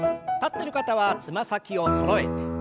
立ってる方はつま先をそろえて。